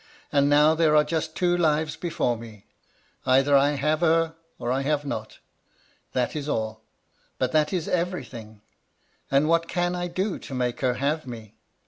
And now there are just two lives before me. Either I have her, or I have not. That is all : but that is everything. And what can I do to make her have me?